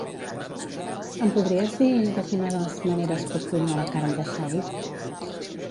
Em podries dir de quines maneres puc cuinar la carn de xai?